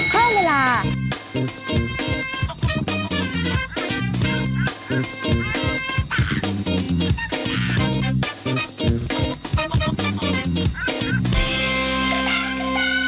บ๊ายบายค่ะสวัสดีค่ะบ๊ายบายค่ะสวัสดีครับ